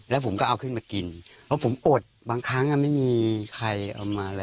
แล้วผมก็เอาขึ้นมากินเพราะผมอดบางครั้งไม่มีใครเอามาเลย